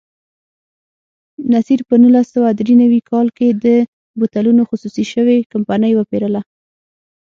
نصیر په نولس سوه درې نوي کال کې د بوتلونو خصوصي شوې کمپنۍ وپېرله.